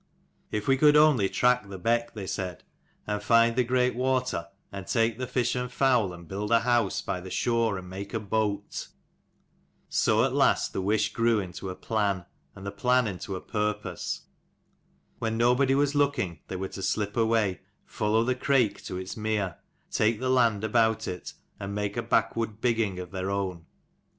" If we could only track the beck," L Si they said, "and find the great water, and take the fish and fowl, and build a house by the shore and make a boat !" So at last the wish grew into a plan, and the plan into a purpose. When nobody was looking they were to slip away: follow the Crake to its mere, take the land about it, and make a backwood bigging of their own.